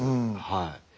はい。